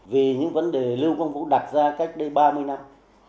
vì những vấn đề lưu quang vũ đặt ra cách đây ba mươi năm